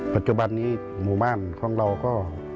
ปัจจุบันนี้หมู่บ้านของเราก็